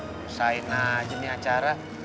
nyusahin aja nih acara